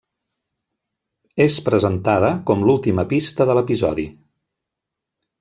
És presentada com l'última pista de l'Episodi.